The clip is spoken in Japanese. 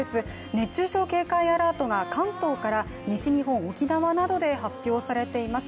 熱中症警戒アラートが関東から西日本沖縄などで発表されています。